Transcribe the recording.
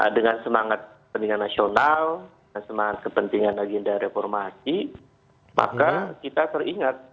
dengan semangat kepentingan nasional dengan semangat kepentingan agenda reformasi maka kita teringat